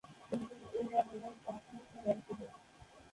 কিন্তু ঐ অ্যালবামে পাঁচটিমাত্র গান ছিল।